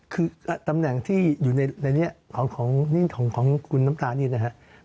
คือตำแหน่งที่อยู่ในนี้ของคุณน้ำตาลนี่นะครับ